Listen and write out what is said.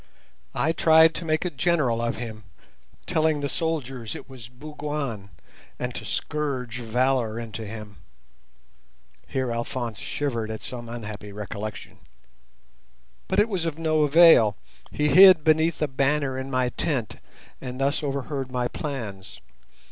I tried to make a general of him, telling the soldiers it was Bougwan, and to scourge valour into him" (here Alphonse shivered at some unhappy recollection), "but it was of no avail. He hid beneath a banner in my tent and thus overheard my plans.